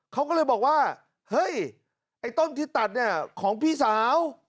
เขาก็เลยบอกว่าเฮ้ยไอ้ต้นที่ตัดเนี่ยของพี่สาว